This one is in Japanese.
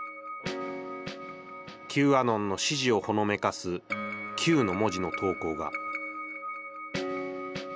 Ｑアノンの支持をほのめかす「Ｑ」の文字の投稿が。